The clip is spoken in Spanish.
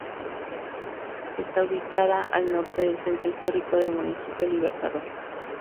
Está ubicada al norte del centro histórico del Municipio Libertador.